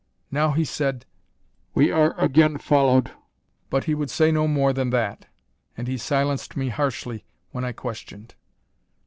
Now he said: "We are again followed!" But he would say no more than that, and he silenced me harshly when I questioned.